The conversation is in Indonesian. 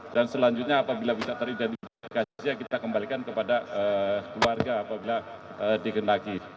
dan selanjutnya apabila bisa teridentifikasi ya kita kembalikan kepada keluarga apabila dikendaki